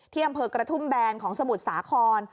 ที่อำเภอกระทุ่มแบนของสมุดสาขอน